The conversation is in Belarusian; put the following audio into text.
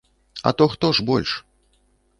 А то хто ж больш?